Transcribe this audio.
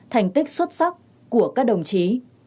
thành tích xuất sắc của các đồng chí